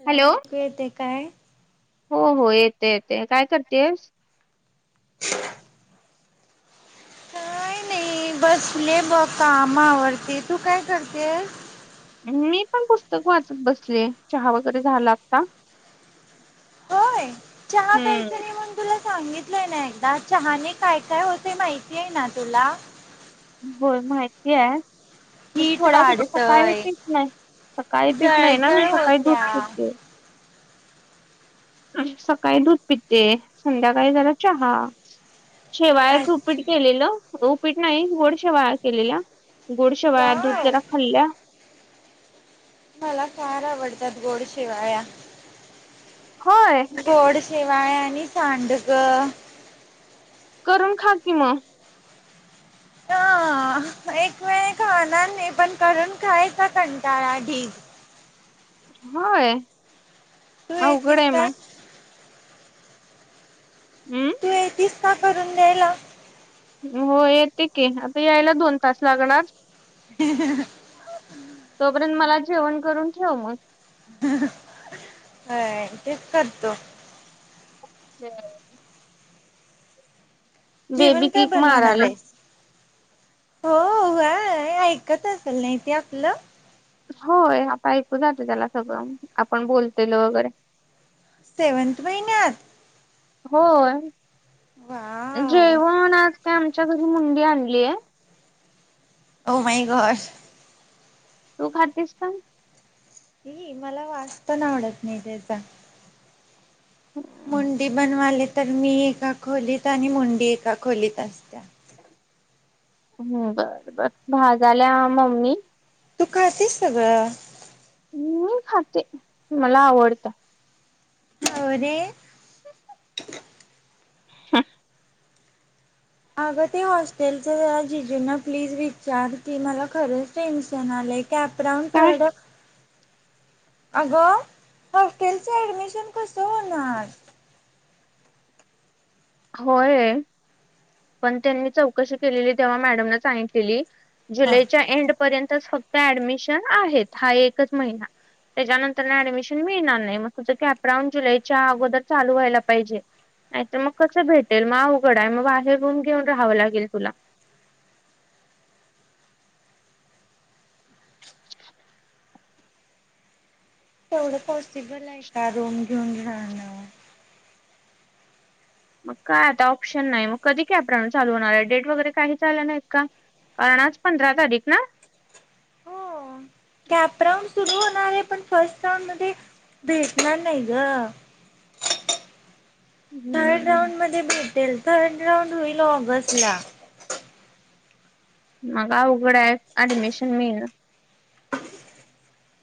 Hello ऐकू येते काय हो हो येते येते काय करतेयस काय नाही बसले ब, काम आवरते तू काय करतेस? मी पण पुस्तक वाचत बसले चहा वगैरे झाला आता होय चहा प्यायचा हम्म. आणि मग तुला सांगितलंय ना एकदा चहाने काय काय होतें माहितीय ना तुला होय माहिती आहे मग हीट थोड्यात सकाळी वाढतय पीक नाही सकाळी पीक नाही ना मी जळजळ सकाळी दूध होत्या. पीकते सकाळी दूध पितते संध्याकाळी झाला चहा शेवायाच अच्छा उपीट केलेलं, उपीट नाही गोड शेवाया केलेल्या गुड शिवाया दूध वाव जरा खल्ल्या मला फार आवडतात गोड शिवाया होय गोडशिवाया आणि सांडगं करून खा की म ह एक वेळ खाणार नाही, पण करून खायचा कंटाळा ढीग होय तू अवघड येतीस आहे काय? मग अं तु येतील का करून द्यायला हो येते की, आता यायला दोन तास लागणार. [unintelligible] तोपर्यंत मला जेवण करून ठेव मग. होय, तेच करतो. ते [inaudible] बेबी जेवण काय किक बनवणार माराले आहेस? हो व्हय, ऐकत असेल नाही ती आपलं? होय आता ऐकू जातो त्याला सगळं आपण बोलतेल वगैरे. सेवंत महिन्यात? होय वा जेवण आज काय आमच्या घरी मुंडी आणलीय ओ माय गॉड तू खातीस का? ह मला वाच पण आवडत नाही त्याचा हम्म मुंडी बनवाले तर मी एका खोलीत आणि मुंडी एका खोलीत असत्या ् बर बरं भा झालं मम्मी तू खतेस सगळं मी खाते मला आवडतं होरे अगं ते हॉस्टेलचं त्यारा जिजूना प्लीज विचार की मला खरंच टेन्शन आलंय कॅपडाऊन काय थड अगं हॉस्टेलचं ऍडमिशन कसं होणार होय पण त्यांनी चौकशी केलेली तेव्हा मॅडमला सांगितलेली ह जुलैच्या एंड पर्यंत फक्त ऍडमिशन आहेत हा एकच महिना त्याच्यानंतर ना ऍडमिशन मिळणार नाही मग तुझं कॅपराऊंड जुलैच्या अगोर चालू व्हायला पाहिजे नाही तर मग कसं भेटेल मग अवघड आहे मग बाहेर रूम घेऊन राहावं लागेल तुला तेवढं पॉसिबल आहे का रूम घेऊन राहणं मग काय आता ऑप्शन नाही मग कधी कॅप राून चालू होणार आहे डेट वगैरे काही चालं नाहीत का कारणाच पंधरा तारीख ना हो कॅप रां सुरु होणार आहे पण फर्स्ट रां मध्ये भेटणार नाही ग थर्ड हम्म राऊंड मध्ये भेटेल थर्ड राऊंड होईल ऑगस्ट ला मगा उघड्या ॲडमिशन मिळल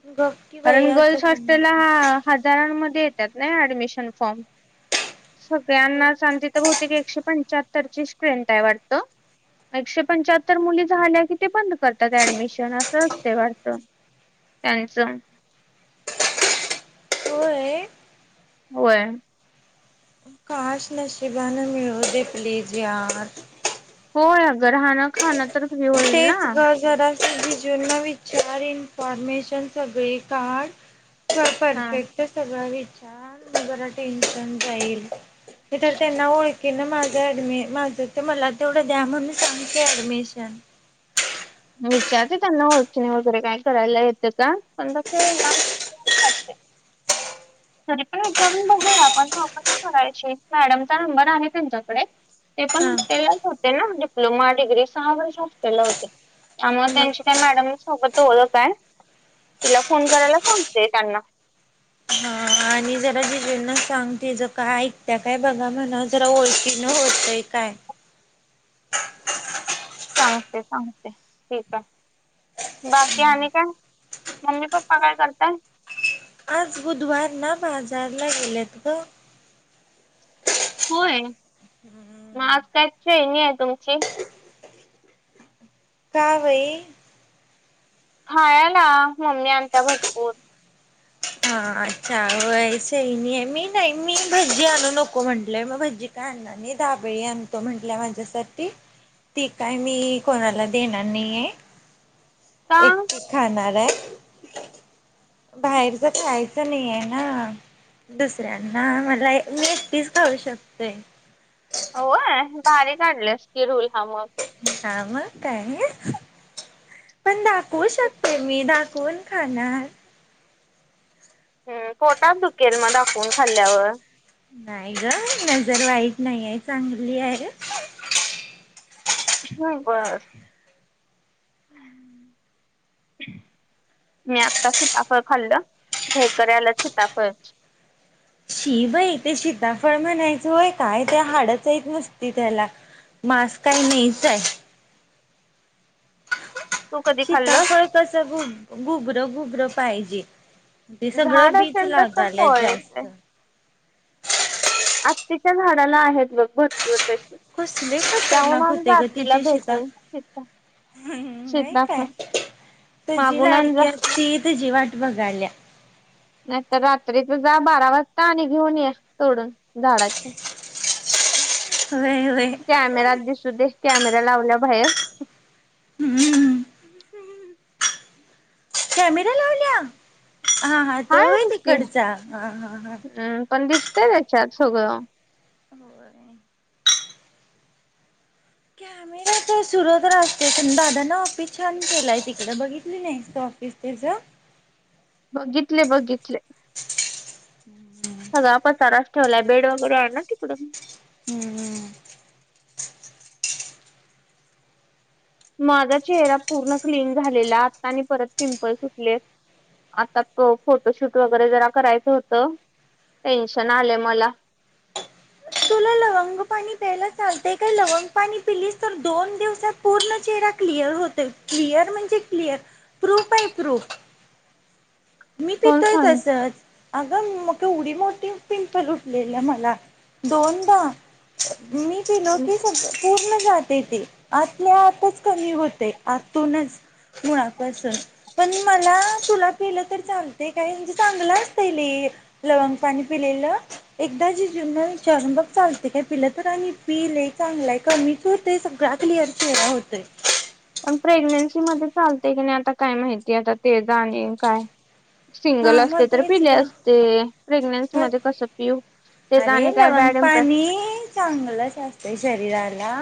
ग कारण गर्ल्स हॉस्टेलला हा हजारांमध्ये येतात नाही ऍडमिशन फॉर्म सगळ्यांना म्हणायचं सांगते तर बहतेक एकशे पंच्याहत्तर ची स्ट्रेंथ आहे वाटत एकशे पंच्याहत्तर मुली झाल्या कि ते बंद करतात ऍडमिशन असं असते भरत त्यांचम हो आहे होय पाच नशिब मिळवू दे प्लीज याद होय अगं राहणं खाणं तर फ्री होईल ना तेच घर जरास जीण विचार इन्फॉर्मेशन सगळे काढ हा परफेक्ट सगळा विचार बरा टेन्शन जाईल इर ते ना होयत कि ना माझं डम माझं तर मला तेवढं द्या म्हणून सांगते ऍडमिशन विचारते त्यांना ओचणी वगैरे काय करायला येतं का पण बस येणार ते तरी पण विचारून बघू आपण तपस करायची मॅडमचा नंबर आहे त्यांच्याकडे ते पण हा हॉस्टेललाच होते ना डिप्लोमा डिग्री सहा वर्ष हॉस्टेलला होते त्यामुळे मग त्यांची काय मॅडम सोबत ओळतय तिला फोन करायला सांगते त्यांना मी जरा जिजेंना सांगते ज का ऐकत्या काय बघा म्हणा जरा ओळखीन होतय काय सांगते सांगते ठीक आहे बाकी आणि काय मम्मी पप्पा काय करताय आज बुधवार ना बाजारला गेलेत ग होय माग काणी आहे तुमची कावेई खाळला मम्मी आण त्या भरपूर हा अच्छा वय सही नाही आहे मी नाही मी भजी आणू नको म्हटलय मग भजी काय आणणार आणि दाबळी आण तो म्हंटल्या माझ्यासाठी ती काय मी कोणाला देणार नाही आहे का एक खाणार आहे बाहेर झ खायचं नाही आहे ना दुसऱ्यांना मला नेटीच खाऊ शकते हो भारी काढले अस की रुल्हाम ह मग काय पण दाखवू शकते तुम्ही दाखवून खाणार ह् पोटात दुखेल मग दाखवून खाल्ल्यावर नाही ग नजर वाईट नाही आहे चांगली आहे हो बर मी आता सिताफळ खाल्लं हेक्या आला सिताफळ शी ब आहे तेे शीताफळ म्हणायचंय काय ते हाडच येत मस्ती त्याला मास्क काही नाहीच आहे तू कधी खाल्लं शीताफळ कसंु गुबरं गुबरं पाहिजे ते सगळं झाड बीच असेल तस लागालय फळ जा आत्तेच्या झाडाला आहेत बघ भरपूर कशी कसले जाऊन खतरनाक आ जात तिला भेटून श हम्म नाही काय तुझी मागून आण जा लाडकी अस त तुझी वाट बघायल्या नाहीतर रात्रीच जा बारा वाजता आणि घेऊन ये सोडून झाडाचे ह वय व कॅमेरा दिसू दे कॅमेरा लावल्या बाहेर हम्म कॅमेरा लावल्या हा हा तो आहे हायच की तिकडचा हा ह ह हम्म पण दिसतेय त्याच्यात सगळं होर कम् ते सुरत्र असते प दादा ना ऑफिस छान केलंय तिकडें बघितली नाही ऑफिस त्याचं बघितले बघितले हम्म सगळळा पचारच ठेवलाय बेड वगैरे आहे ना तिकडून हम्म माझा चेहरा पूर्ण क्लीन झालेला आत्ता आणि परत पिंपल सुटलेत आता त फोटोशूट वगैरे जरा करायचं होतं टेन्शन आलं मला तुला लवंग पाणी प्यायला चालतय का लवंग पाणी पिलीस तर दोन दिवसात पूर्ण चेहरा क्लिअर होतोय क्लिअर म्हणजे क्लिअर प्रूफ आहे प्रूफ [inaudible] मी कोण पिथच सांग असत अगं मग उडी मोठी पिंपल उठलेली मला दोनदा मी प नो क पूर्ण जात ते ते आतल्या आतच कमी होतय, आतूनच मुळापासून पण मला तुला पिलं तर चांगते काय म्हणजे चांगलं असत ल लवंग पाणी पिलेलं एकदा जिजूनंना शर्ण बग चालत ते हे पिलं तर आणि पि लय चांगलं हाय कमीच होतय सगळा, क्लिअर चेहरा होतोय. पण प्रेग्नेन्सी मध्ये चालते की नाही आता काय माहितीय आता ते जा आणि काय हा सिंगल मग असते तर तेच पिले ग असते प्रेग्नेन्सी मध्ये मग कस पिऊ ते तर अरे आणि काय लवंग बॅडम पण पाणी चांगलंच असतंय शरीराला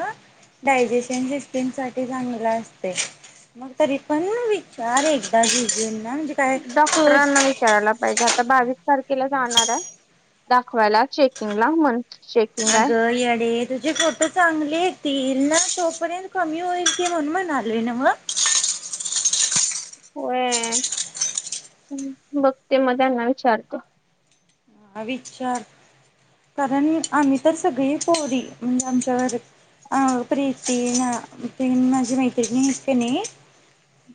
डायजेशन सिस्टीमसाठीठी चांगला असते मग तरी पण विचार एकदा घजेन ना म्हणजे काय तू डॉक्टरांना, विचारायला पाहिजे, आता बावीस तारखेला जाणार आहे, दाखवायला चेकिंग ला म्हण चेकिंग अग आहे [unintelligible] तुझे ख तर चांगलीतील ना, तोपर्यंत कमी होईलची म्हणून म्हणालय नव्ह, होय, बघते मग त्याना विचारते, ह विचार, कारण आम्ही तर सगळी पोरी, म्हणजे आमच्याघरी अ प्रीती ना, तेन माझी मैत्रिणी हायेत कानी,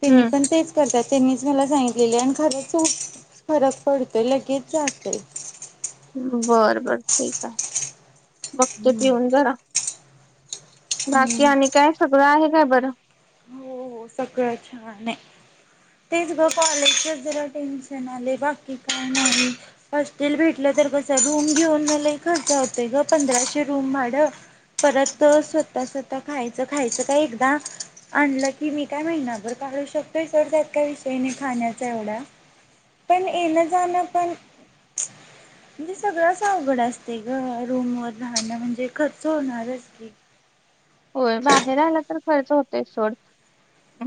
तेनी हम्म पण तेच करतात त्यांनीच मला सांगितलेले, आणि खरं चूप फरक पडतोय लगेच जातोय, बरं, बर ठीक आहे, बघ ते पिऊन जरा, बाकी हम्म. आणि काय, सगळं आहे काय बरं, हो सगळं, छान आहे. तेच ग कॉलेजच, जरा टेन्शन आले, बाकी काय नाही, हॉस्टल भेटलं तर कसं रूम घेऊन, म लई खर्च होतय ग, पंधराशे रूम भाडं, परत स्वतः स्वतः खायचं, खायचं का एकदा आणलं की, मी काय महिनाभर काढू शकतोय सोड, त्यात काय विषय नाही खाण्याचा एवढा, पण येणं, जाणं पण म्हणजे सगळंच अवघड असते ग, रूमवर राहणं म्हणजे, खर्च होणार की, होय बाहेर आला तर खर्च होत, याचं सोड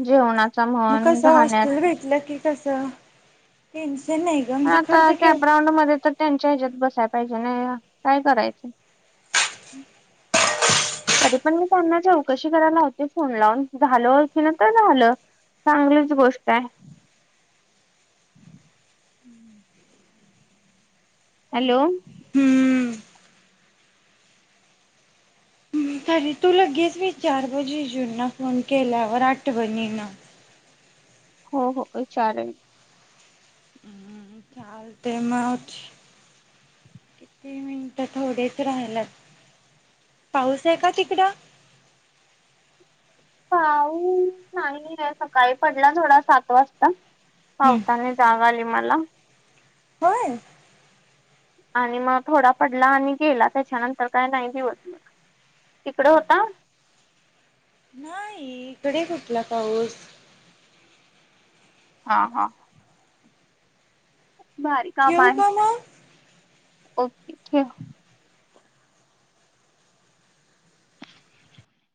जेवणा म हॉस्टेल भेटला कि, कसं टेन्शन नाही, ग हा म्हणजे आता खर्च केव कॅपराऊंड मध्ये, तर त्यांच्या ह्याच्यात बसायाला पाहिजे, नाही काय करायचं, तरी पण मी त्यांना चौकशी करायला लावते फोन लावून, झालो ओळखीने तर झालं, चांगलीच गोष्ट आहे, [unintelligible] हॅलो? हम्म, तरी तू लगेच विचार ग जीजू ना, फोन केल्यावर आठवणीन, हो, हो, विचारेन, हम्म मग ते [unintelligible] तीन मिनिट थोडेच राहिल्यात, पाऊस आहे का तिकड? पाऊस नाही आहे, सकाळी पडला थोडा, सात वाजता, हम्म पावसाने जाग, आली मला, होय, आणि मग, थोडा पडला आणि गेला, त्याच्यानंतर काय नाही दिवस भर, तिकडं होता? नाही, इकडे कुठला पाऊस, हा, हा, भारी काम ठेवू आहे, का मग ओके ठेव,